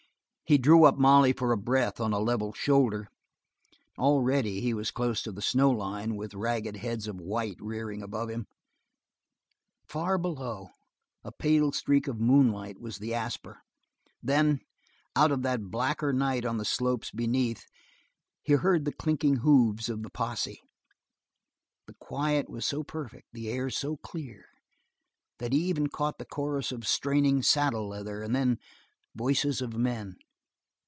He drew up Molly for a breath on a level shoulder. Already he was close to the snow line with ragged heads of white rearing above him. Far below, a pale streak of moonlight was the Asper. Then, out of that blacker night on the slopes beneath, he heard the clinking hoofs of the posse; the quiet was so perfect, the air so clear, that he even caught the chorus of straining saddle leather and then voices of men.